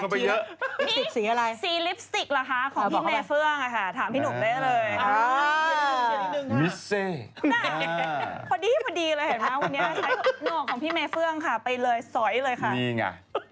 พอดีเลยะอย่าใช้หนอกของพี่เมเฟื้องไปเลยซ้อยเลยหก